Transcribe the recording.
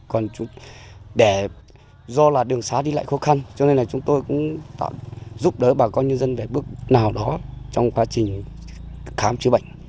còn do là đường xá đi lại khó khăn cho nên là chúng tôi cũng giúp đỡ bà con nhân dân về bước nào đó trong quá trình khám chữa bệnh